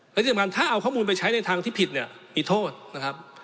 และที่สำคัญถ้าเอาข้อมูลไปใช้ในทางที่ผิดเนี่ยมีโทษนะครับ